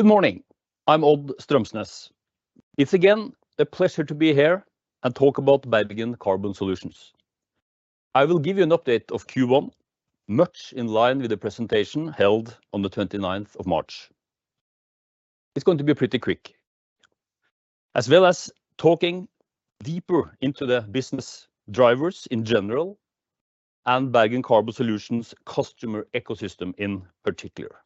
Good morning. I'm Odd Strømsnes. It's again a pleasure to be here and talk about Bergen Carbon Solutions. I will give you an update of Q1, much in line with the presentation held on the March 29th. It's going to be pretty quick. As well as talking deeper into the business drivers in general and Bergen Carbon Solutions customer ecosystem in particular.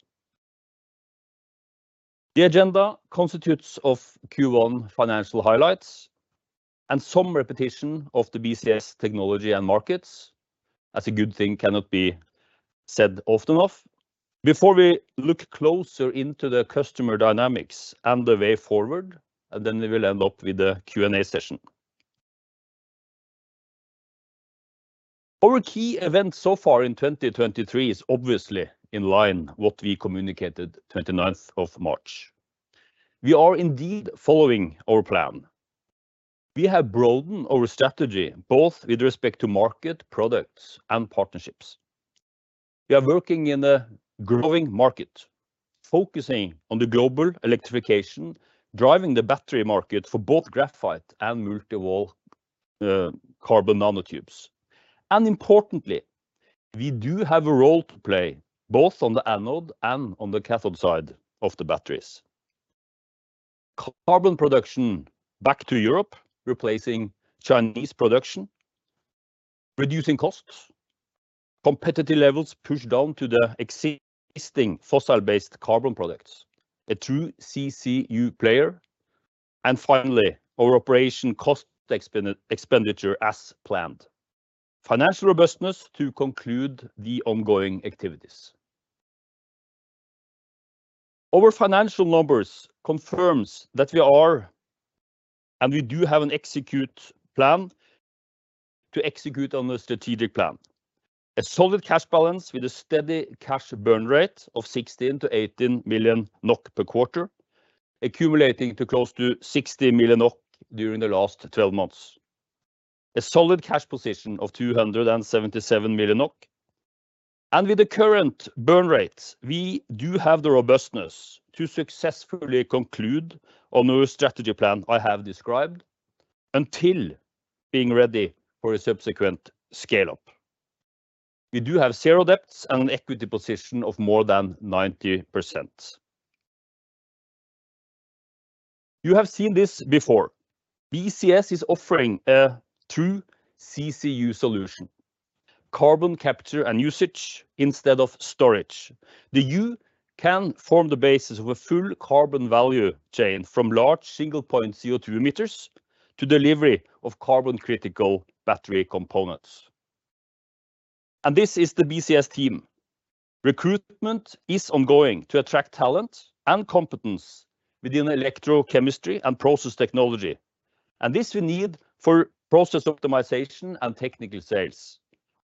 The agenda constitutes of Q1 financial highlights and some repetition of the BCS technology and markets, as a good thing cannot be said often enough, before we look closer into the customer dynamics and the way forward, and then we will end up with a Q&A session. Our key events so far in 2023 is obviously in line what we communicated March 29th. We are indeed following our plan. We have broadened our strategy, both with respect to market products and partnerships. We are working in a growing market, focusing on the global electrification, driving the battery market for both graphite and multi-walled carbon nanotubes. Importantly, we do have a role to play, both on the anode and on the cathode side of the batteries. Carbon production back to Europe, replacing Chinese production, reducing costs, competitive levels pushed down to the existing fossil-based carbon products, a true CCU player, and finally, our operation cost expenditure as planned. Financial robustness to conclude the ongoing activities. Our financial numbers confirms that we are, and we do have an execute plan to execute on the strategic plan. A solid cash balance with a steady cash burn rate of 16 million-18 million NOK per quarter, accumulating to close to 60 million NOK during the last 12 months. A solid cash position of 277 million NOK. With the current burn rate, we do have the robustness to successfully conclude on the strategy plan I have described until being ready for a subsequent scale-up. We do have zero debts and an equity position of more than 90%. You have seen this before. BCS is offering a true CCU solution, carbon capture and usage instead of storage. The U can form the basis of a full carbon value chain from large single-point CO2 emitters to delivery of carbon-critical battery components. This is the BCS team. Recruitment is ongoing to attract talent and competence within electrochemistry and process technology. This we need for process optimization and technical sales.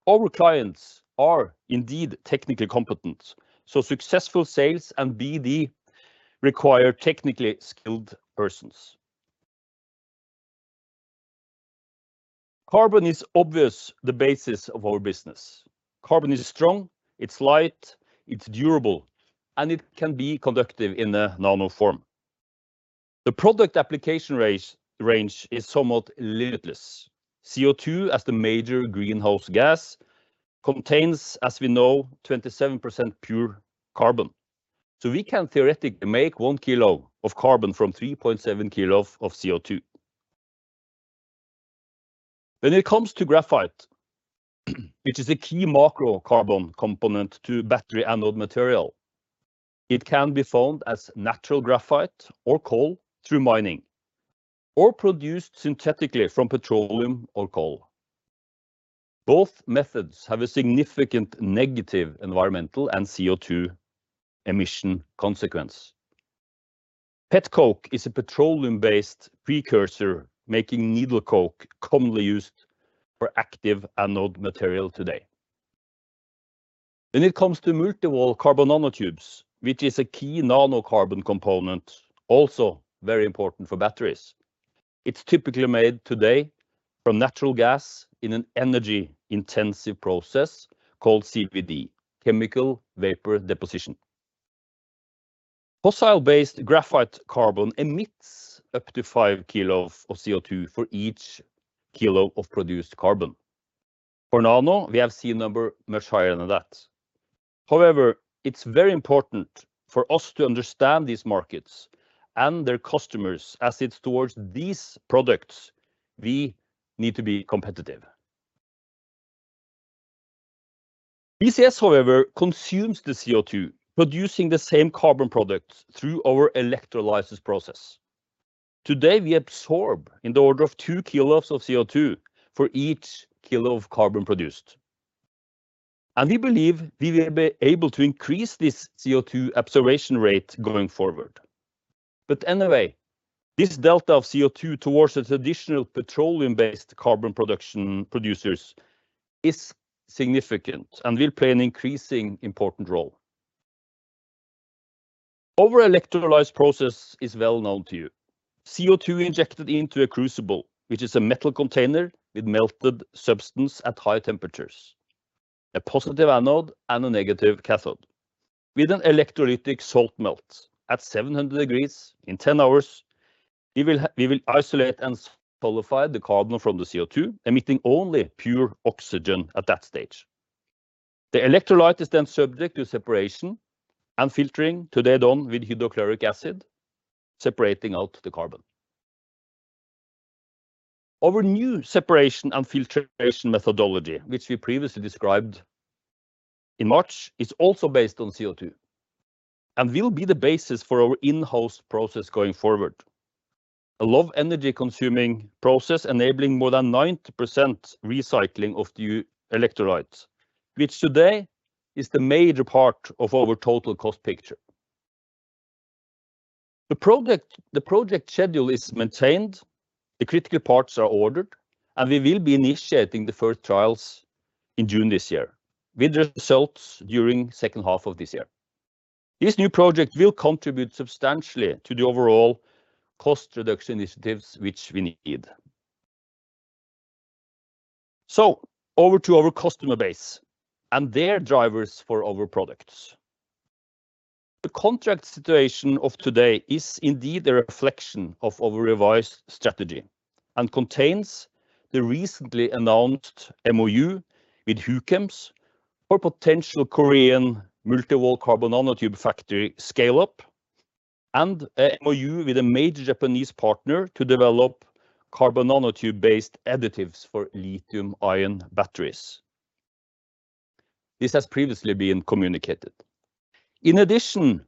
Our clients are indeed technically competent, so successful sales and BD require technically skilled persons. Carbon is obvious the basis of our business. Carbon is strong, it's light, it's durable, and it can be conductive in the nano form. The product application range is somewhat limitless. CO2, as the major greenhouse gas, contains, as we know, 27% pure carbon. We can theoretically make 1 kilo of carbon from 3.7 kilo of CO2. When it comes to graphite, which is a key macro carbon component to battery anode material, it can be found as natural graphite or coal through mining or produced synthetically from petroleum or coal. Both methods have a significant negative environmental and CO2 emission consequence. Petcoke is a petroleum-based precursor making needle coke commonly used for active anode material today. When it comes to multi-walled carbon nanotubes, which is a key nanocarbon component, also very important for batteries, it's typically made today from natural gas in an energy-intensive process called CVD, chemical vapor deposition. Fossil-based graphite carbon emits up to 5 kilo of CO2 for each kilo of produced carbon. For nano, we have seen number much higher than that. However, it's very important for us to understand these markets and their customers as it's towards these products we need to be competitive. BCS, however, consumes the CO2, producing the same carbon product through our electrolysis process. Today, we absorb in the order of 2 kilos of CO2 for each kilo of carbon produced. We believe we will be able to increase this CO2 absorption rate going forward. Anyway, this delta of CO2 towards the traditional petroleum-based carbon production producers is significant and will play an increasing important role. Over electrolyzed process is well known to you. CO2 injected into a crucible, which is a metal container with melted substance at high temperatures, a positive anode and a negative cathode. With an electrolytic salt melt at 700 degrees in 10 hours, we will isolate and solidify the carbon from the CO2, emitting only pure oxygen at that stage. The electrolyte is then subject to separation and filtering to deashing with hydrochloric acid, separating out the carbon. Our new separation and filtration methodology, which we previously described in March, is also based on CO2 and will be the basis for our in-house process going forward. A low energy consuming process enabling more than 90% recycling of the electrolytes, which today is the major part of our total cost picture. The project schedule is maintained, the critical parts are ordered, and we will be initiating the first trials in June this year, with results during second half of this year. This new project will contribute substantially to the overall cost reduction initiatives which we need. Over to our customer base and their drivers for our products. The contract situation of today is indeed a reflection of our revised strategy and contains the recently announced MoU with Huchems for potential Korean multi-wall carbon nanotube factory scale-up and a MoU with a major Japanese partner to develop carbon nanotube-based additives for lithium-ion batteries. This has previously been communicated. In addition,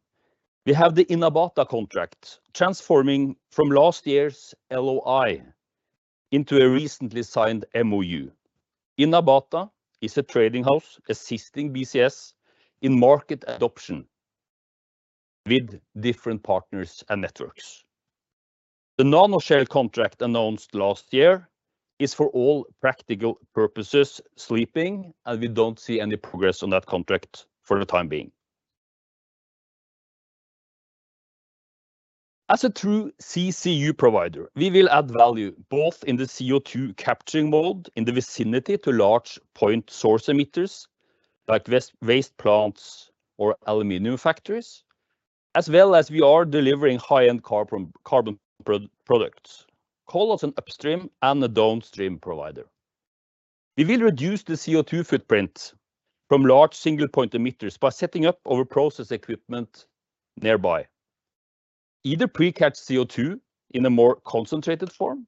we have the Inabata contract transforming from last year's LOI into a recently signed MoU. Inabata is a trading house assisting BCS in market adoption with different partners and networks. The Nanocyl contract announced last year is for all practical purposes sleeping, and we don't see any progress on that contract for the time being. As a true CCU provider, we will add value both in the CO2 capturing mode in the vicinity to large point source emitters like waste plants or aluminum factories, as well as we are delivering high-end carbon products. Call us an upstream and a downstream provider. We will reduce the CO2 footprint from large single point emitters by setting up our process equipment nearby. Either pre-catch CO2 in a more concentrated form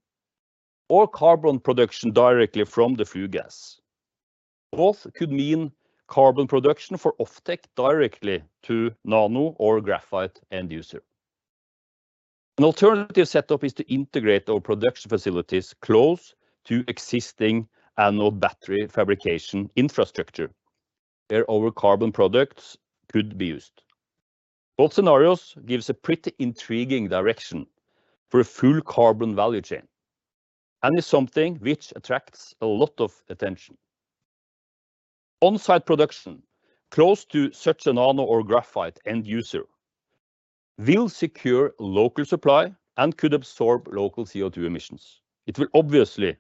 or carbon production directly from the flue gas. Both could mean carbon production for offtake directly to nano or graphite end user. An alternative setup is to integrate our production facilities close to existing anode battery fabrication infrastructure, where our carbon products could be used. Both scenarios gives a pretty intriguing direction for a full carbon value chain, and is something which attracts a lot of attention. On-site production close to such a nano or graphite end user will secure local supply and could absorb local CO2 emissions. It will obviously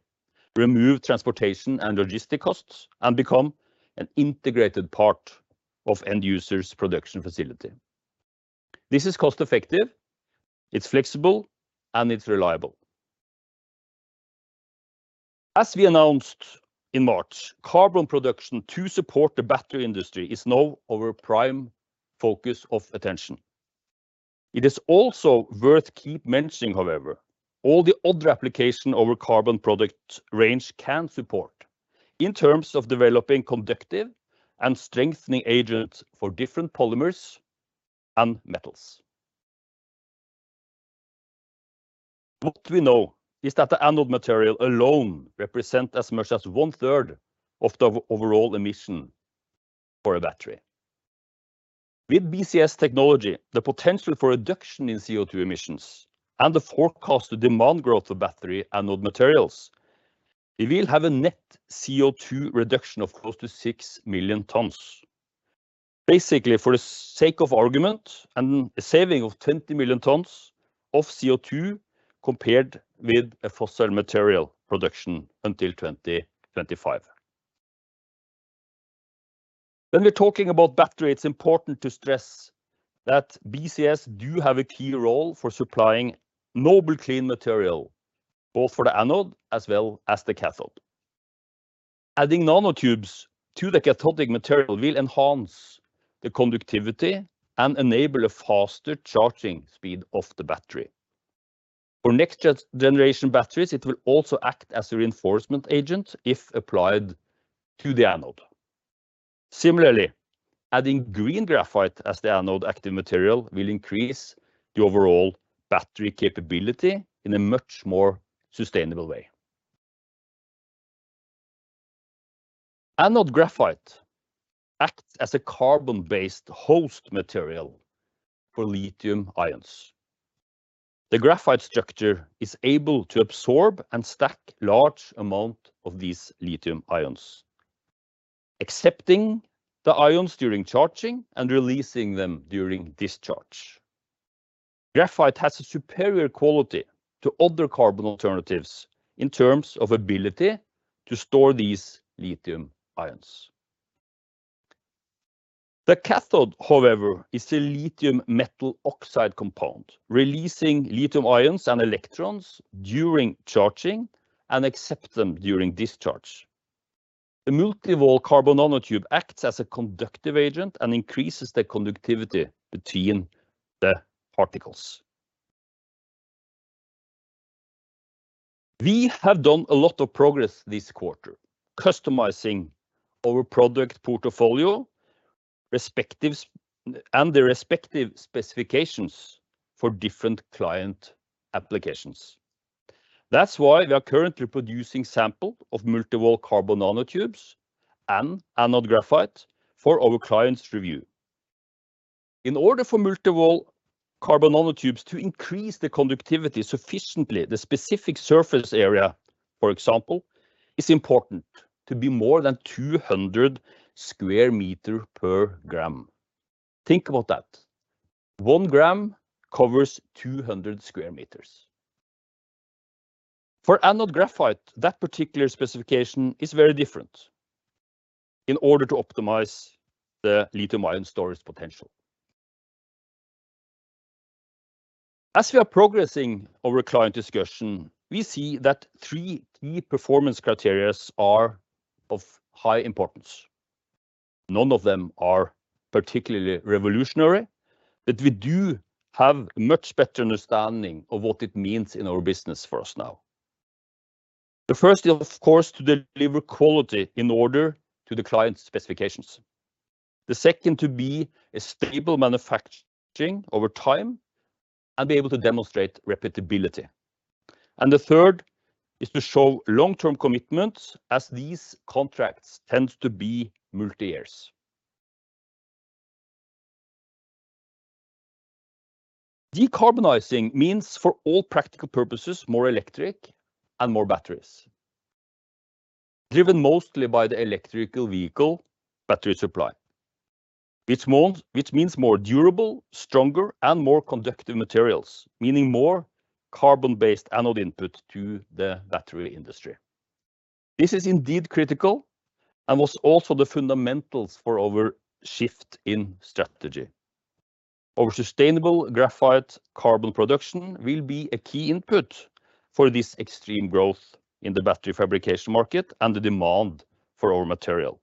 remove transportation and logistic costs and become an integrated part of end user's production facility. This is cost-effective, it's flexible, and it's reliable. As we announced in March, carbon production to support the battery industry is now our prime focus of attention. It is also worth keep mentioning, however, all the other application our carbon product range can support in terms of developing conductive and strengthening agents for different polymers and metals. What we know is that the anode material alone represent as much as one third of the overall emission for a battery. With BCS technology, the potential for reduction in CO2 emissions and the forecasted demand growth of battery anode materials, we will have a net CO2 reduction of close to 6 million tons. Basically, for the sake of argument, a saving of 20 million tons of CO2 compared with a fossil material production until 2025. When we're talking about battery, it's important to stress that BCS do have a key role for supplying noble clean material, both for the anode as well as the cathode. Adding nanotubes to the cathodic material will enhance the conductivity and enable a faster charging speed of the battery. For next generation batteries, it will also act as a reinforcement agent if applied to the anode. Similarly, adding green graphite as the anode active material will increase the overall battery capability in a much more sustainable way. Anode graphite acts as a carbon-based host material for lithium ions. The graphite structure is able to absorb and stack large amount of these lithium ions, accepting the ions during charging and releasing them during discharge. Graphite has a superior quality to other carbon alternatives in terms of ability to store these lithium ions. The cathode, however, is a lithium metal oxide compound, releasing lithium ions and electrons during charging and accept them during discharge. The multi-walled carbon nanotube acts as a conductive agent and increases the conductivity between the particles. We have done a lot of progress this quarter customizing our product portfolio and the respective specifications for different client applications. That's why we are currently producing sample of multi-walled carbon nanotubes and anode graphite for our client's review. In order for multi-walled carbon nanotubes to increase the conductivity sufficiently, the specific surface area, for example, is important to be more than 200 square meter per gram. Think about that. 1 gram covers 200 square meters. For anode graphite, that particular specification is very different in order to optimize the lithium-ion storage potential. As we are progressing our client discussion, we see that three key performance criteria are of high importance. None of them are particularly revolutionary, we do have much better understanding of what it means in our business for us now. The first is, of course, to deliver quality in order to the client's specifications. The second to be a stable manufacturing over time and be able to demonstrate repeatability. The third is to show long-term commitments as these contracts tend to be multi-years. Decarbonizing means, for all practical purposes, more electric and more batteries, driven mostly by the electrical vehicle battery supply, which means more durable, stronger, and more conductive materials, meaning more carbon-based anode input to the battery industry. This is indeed critical and was also the fundamentals for our shift in strategy. Our sustainable graphite carbon production will be a key input for this extreme growth in the battery fabrication market and the demand for our material.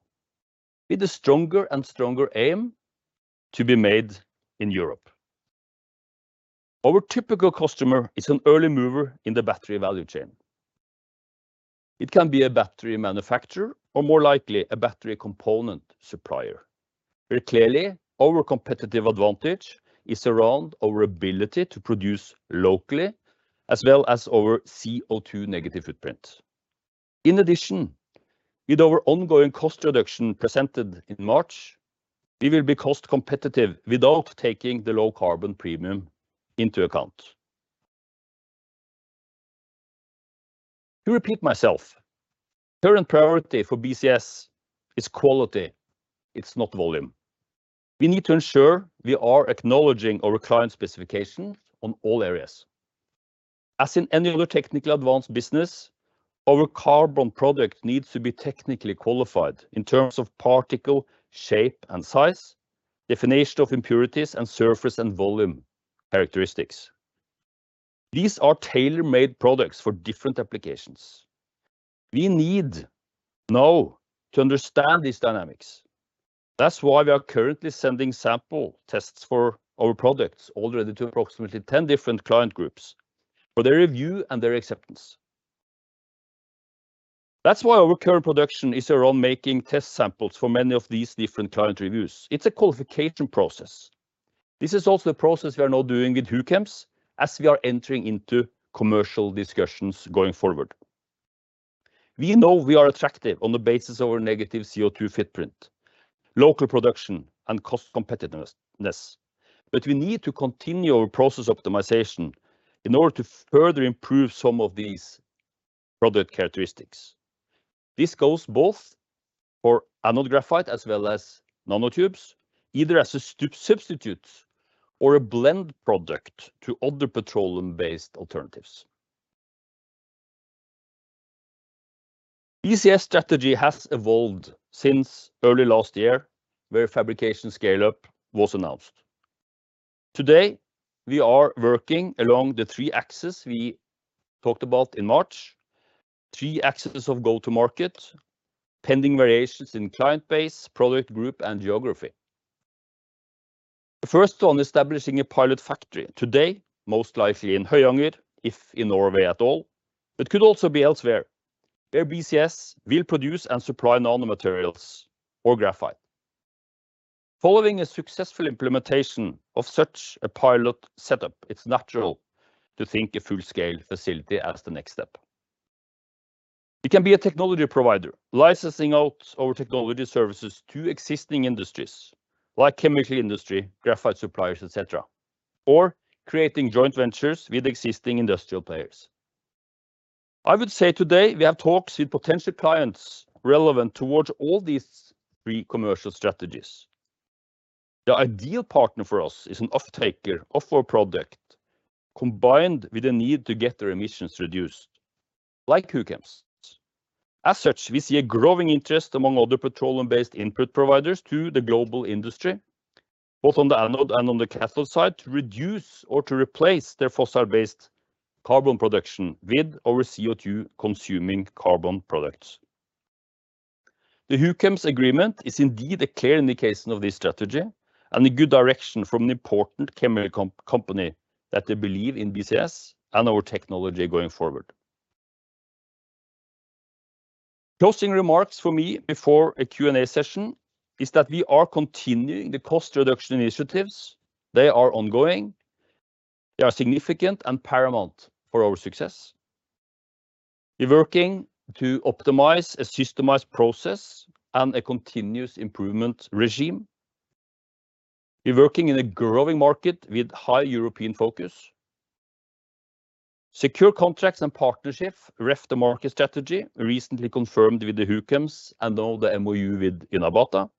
With a stronger and stronger aim to be made in Europe. Our typical customer is an early mover in the battery value chain. It can be a battery manufacturer or more likely a battery component supplier. Very clearly, our competitive advantage is around our ability to produce locally as well as our CO2 negative footprint. In addition, with our ongoing cost reduction presented in March, we will be cost competitive without taking the low carbon premium into account. To repeat myself, current priority for BCS is quality. It's not volume. We need to ensure we are acknowledging our client specifications on all areas. As in any other technical advanced business, our carbon product needs to be technically qualified in terms of particle shape and size, definition of impurities, and surface and volume characteristics. These are tailor-made products for different applications. We need now to understand these dynamics. That's why we are currently sending sample tests for our products already to approximately 10 different client groups for their review and their acceptance. That's why our current production is around making test samples for many of these different client reviews. It's a qualification process. This is also a process we are now doing with TKG Huchems as we are entering into commercial discussions going forward. We know we are attractive on the basis of our negative CO2 footprint, local production, and cost competitiveness, but we need to continue our process optimization in order to further improve some of these product characteristics. This goes both for anode graphite as well as nanotubes, either as a substitute or a blend product to other petroleum-based alternatives. BCS strategy has evolved since early last year, where fabrication scale-up was announced. Today, we are working along the three axes we talked about in March, three axes of go-to-market, pending variations in client base, product group, and geography. The first on establishing a pilot factory, today, most likely in Høyanger, if in Norway at all, but could also be elsewhere, where BCS will produce and supply nanomaterials or graphite. Following a successful implementation of such a pilot setup, it's natural to think a full-scale facility as the next step. It can be a technology provider, licensing out our technology services to existing industries like chemical industry, graphite suppliers, et cetera, or creating joint ventures with existing industrial players. I would say today we have talks with potential clients relevant towards all these three commercial strategies. The ideal partner for us is an offtaker of our product combined with the need to get their emissions reduced, like TKG Huchems. As such, we see a growing interest among other petroleum-based input providers to the global industry, both on the anode and on the cathode side, to reduce or to replace their fossil-based carbon production with our CO2-consuming carbon products. The TKG Huchems agreement is indeed a clear indication of this strategy and a good direction from an important chemical company that they believe in BCS and our technology going forward. Closing remarks for me before a Q&A session is that we are continuing the cost reduction initiatives. They are ongoing. They are significant and paramount for our success. We're working to optimize a systemized process and a continuous improvement regime. We're working in a growing market with high European focus. Secure contracts and partnership ref the market strategy, recently confirmed with the TKG Huchems and now the MoU with Inabata.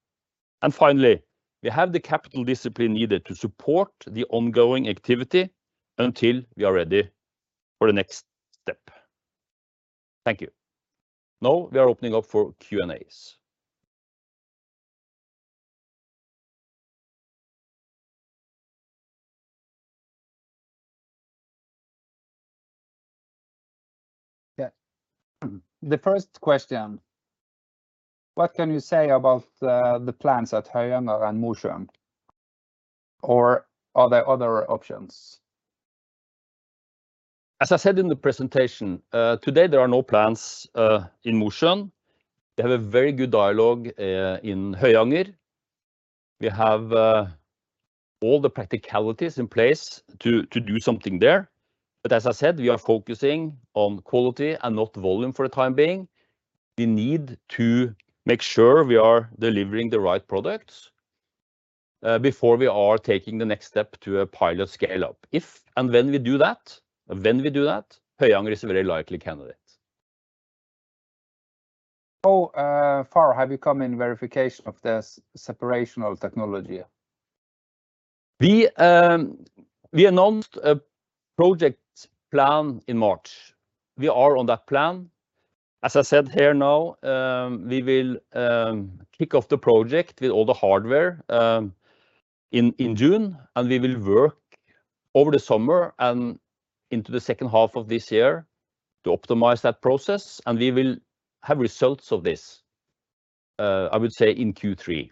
Finally, we have the capital discipline needed to support the ongoing activity until we are ready for the next step. Thank you. Now we are opening up for Q&As. Yeah. The first question: What can you say about the plans at Høyanger and Mosjøen, or are there other options? As I said in the presentation, today there are no plans in Mosjøen. We have a very good dialogue in Høyanger. We have all the practicalities in place to do something there. As I said, we are focusing on quality and not volume for the time being. We need to make sure we are delivering the right products before we are taking the next step to a pilot scale-up. If and when we do that, Høyanger is a very likely candidate. How far have you come in verification of the separational technology? We announced a project plan in March. We are on that plan. As I said here now, we will kick off the project with all the hardware in June, and we will work over the summer and into the second half of this year to optimize that process, and we will have results of this, I would say, in Q3.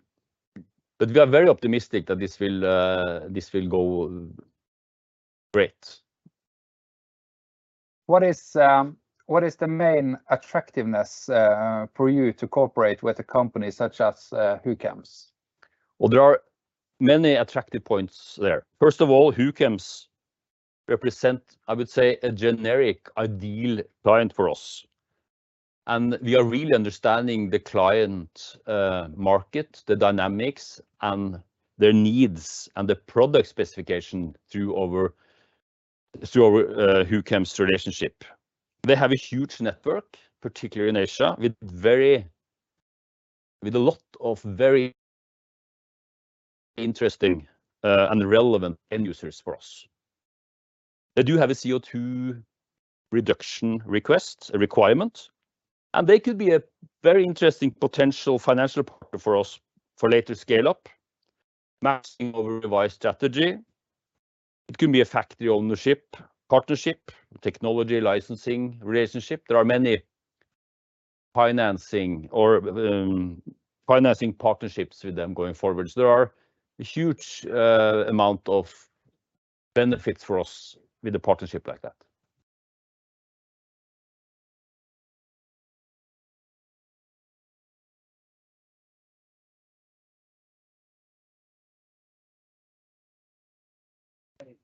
We are very optimistic that this will go great. What is the main attractiveness for you to cooperate with a company such as TKG Huchems? There are many attractive points there. First of all, TKG Huchems represent, I would say, a generic ideal client for us, and we are really understanding the client market, the dynamics, and their needs and the product specification through our TKG Huchems relationship. They have a huge network, particularly in Asia, with a lot of very interesting and relevant end users for us. They do have a CO2 reduction request, a requirement, and they could be a very interesting potential financial partner for us for later scale-up, matching our revised strategy. It could be a factory ownership, partnership, technology licensing relationship. There are many financing or financing partnerships with them going forward. There are a huge amount of benefits for us with a partnership like that.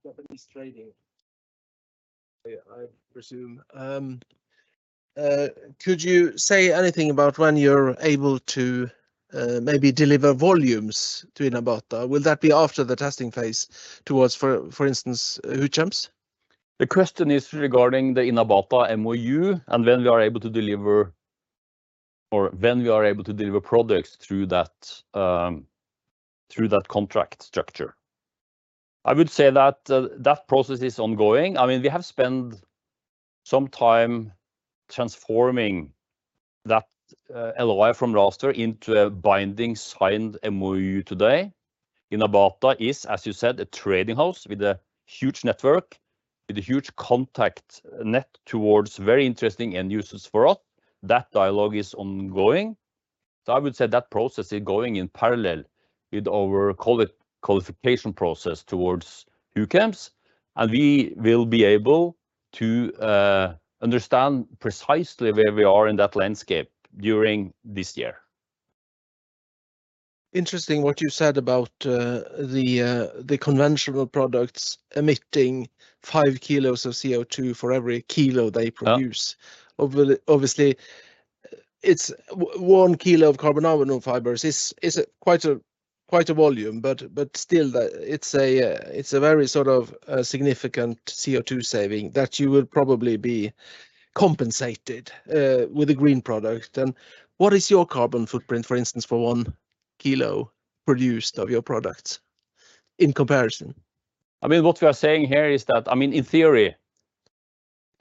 Japanese trading, I presume. Could you say anything about when you're able to, maybe deliver volumes to Inabata? Will that be after the testing phase towards, for instance, TKG Huchems? The question is regarding the Inabata MOU and when we are able to deliver, or when we are able to deliver products through that, through that contract structure. I would say that process is ongoing. I mean, we have spent some time transforming that LOI from last year into a binding signed MOU today. Inabata is, as you said, a trading house with a huge network, with a huge contact net towards very interesting end users for us. That dialogue is ongoing. I would say that process is going in parallel with our quali-qualification process towards TKG Huchems, and we will be able to understand precisely where we are in that landscape during this year. Interesting what you said about the conventional products emitting 5 kilos of CO2 for every kilo they produce. Yeah. Obviously, it's 1 kilo of carbon nanofibers is a quite a volume, but still that it's a very sort of significant CO2 saving that you will probably be compensated with a green product. What is your carbon footprint, for instance, for 1 kilo produced of your products in comparison? I mean, what we are saying here is that, I mean, in theory,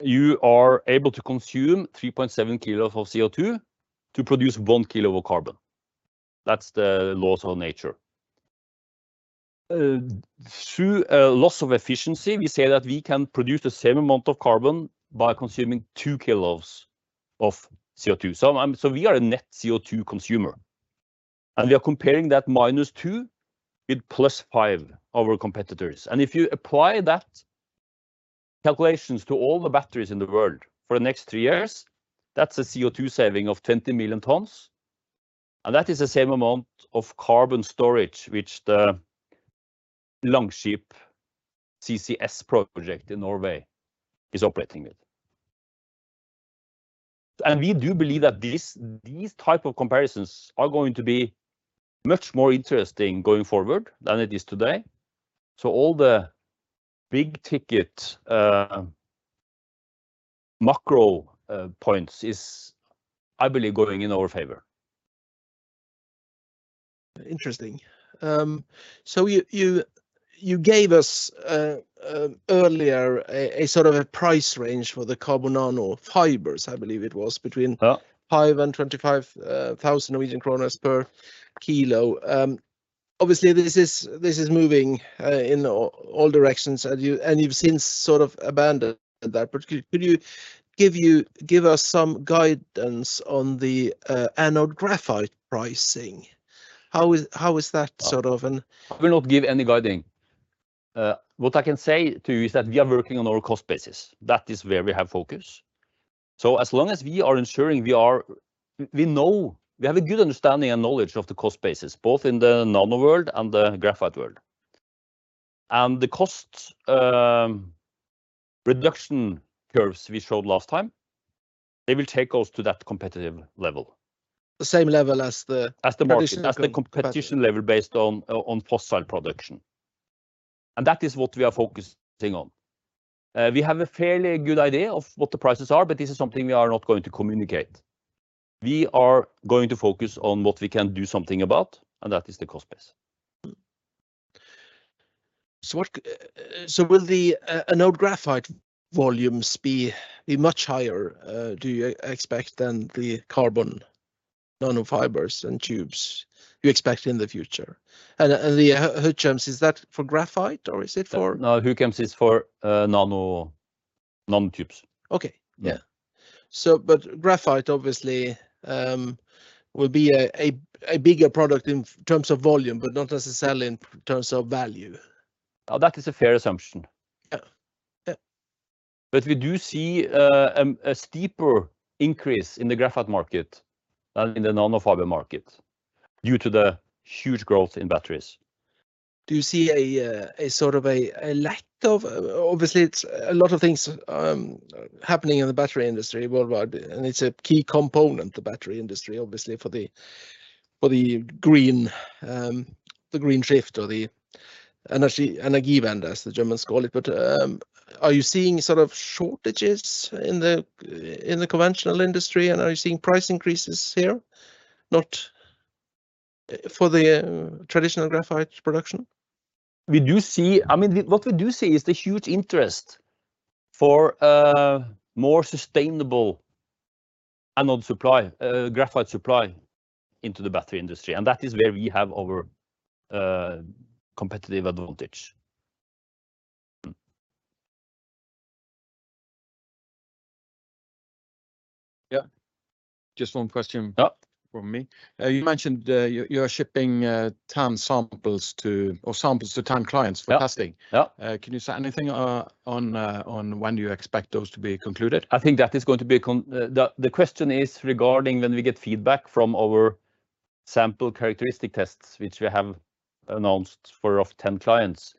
you are able to consume 3.7 kilos of CO2 to produce one kilo of carbon. That's the laws of nature. Through loss of efficiency, we say that we can produce the same amount of carbon by consuming two kilos of CO2. So we are a net CO2 consumer, and we are comparing that -2 with +5 of our competitors. If you apply that calculations to all the batteries in the world for the next three years, that's a CO2 saving of 20 million tons, and that is the same amount of carbon storage which the Longship CCS project in Norway is operating with. We do believe that these type of comparisons are going to be much more interesting going forward than it is today. All the big-ticket, macro, points is, I believe, going in our favor. Interesting. you gave us, earlier a sort of a price range for the carbon nanofibers, I believe it was- Yeah... between 5,000 and 25,000 Norwegian kroner per kilo. Obviously, this is moving in all directions, and you've since sort of abandoned that. Could you give us some guidance on the anode graphite pricing? How is that sort of? I will not give any guiding. What I can say to you is that we are working on our cost basis. That is where we have focus. As long as we are ensuring we are, we have a good understanding and knowledge of the cost basis, both in the nano world and the graphite world. The cost reduction curves we showed last time, they will take us to that competitive level. The same level as the. As the market competition. Got it. As the competition level based on fossil production, and that is what we are focusing on. We have a fairly good idea of what the prices are, but this is something we are not going to communicate. We are to focus on what we can do something about, and that is the cost base. Will the anode graphite volumes be much higher, do you expect, than the carbon nanofibers and tubes you expect in the future? The Huchems, is that for graphite, or is it for-? No, Huchems is for nano tubes. Okay. Yeah. Yeah. Graphite obviously, will be a bigger product in terms of volume but not necessarily in terms of value. Oh, that is a fair assumption. Yeah. Yeah. We do see a steeper increase in the graphite market than in the nanofiber market due to the huge growth in batteries. Do you see a sort of a lack of... Obviously it's a lot of things happening in the battery industry worldwide, and it's a key component, the battery industry, obviously for the, for the green, the green shift or the Energiewende, as the Germans call it. Are you seeing sort of shortages in the conventional industry, and are you seeing price increases here, not... for the traditional graphite production? I mean, what we do see is the huge interest for a more sustainable anode supply, graphite supply into the battery industry, and that is where we have our competitive advantage. Yeah. Just one question. Yeah ... from me. you mentioned, you are shipping, 10 samples to or samples to 10 clients for testing. Yeah. Yeah. Can you say anything on when do you expect those to be concluded? I think that is going to be. The question is regarding when we get feedback from our sample characteristic tests, which we have announced for of 10 clients,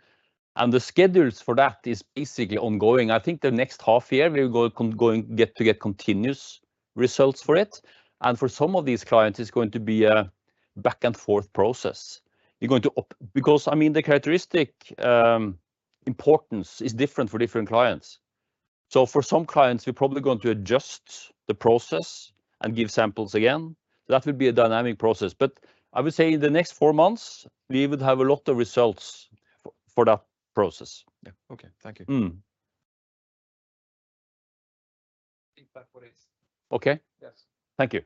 and the schedules for that is basically ongoing. I think the next half year we will get continuous results for it, and for some of these clients, it's going to be a back-and-forth process. You're going to. Because, I mean, the characteristic importance is different for different clients. For some clients, we're probably going to adjust the process and give samples again. That will be a dynamic process, but I would say in the next four months we would have a lot of results for that process. Yeah. Okay. Thank you. Mm. Feedback for this. Okay. Yes. Thank you.